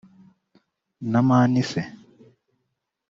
na Man Se